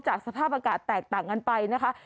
สภาพอากาศแตกต่างกันไปนะคะ